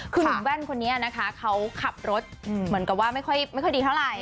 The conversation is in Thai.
คือหนุ่มแว่นคนนี้นะคะเขาขับรถเหมือนกับว่าไม่ค่อยดีเท่าไหร่